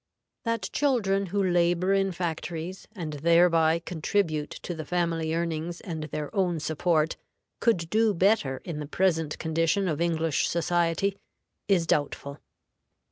That children who labor in factories, and thereby contribute to the family earnings and their own support, could do better in the present condition of English society, is doubtful.